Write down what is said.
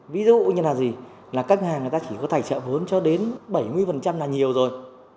ví dụ như là gì là khách hàng người ta chỉ có tài trợ vốn cho đến bảy mươi là nhiều rồi